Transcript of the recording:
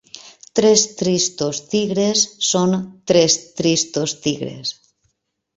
Tres tristos tigres són tres tristos tigres.